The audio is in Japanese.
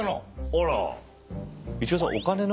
あら。